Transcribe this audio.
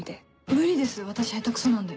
無理です私下手クソなんで。